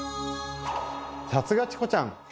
さすがチコちゃん！